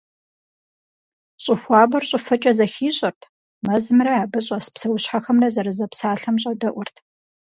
Щӏы хуабэр щӏыфэкӏэ зэхищӏэрт, мэзымрэ, абы щӏэс псэущхьэхэмрэ зэрызэпсалъэм щӏэдэӏурт.